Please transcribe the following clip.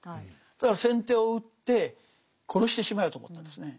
だから先手を打って殺してしまえと思ったんですね。